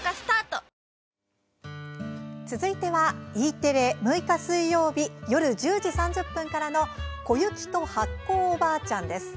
続いては６日、水曜日夜１０時３０分からの「小雪と発酵おばあちゃん」です。